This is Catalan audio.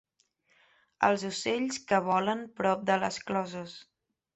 Els ocells que volen prop de les closes.